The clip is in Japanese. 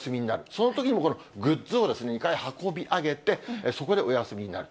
そのときにもこのグッズを２階に運び上げて、そこでお休みになる。